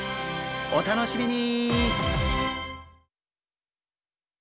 お楽しみに！